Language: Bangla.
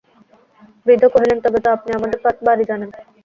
বৃদ্ধ কহিলেন, তবে তো আপনি আমাদের বাড়ি জানেন।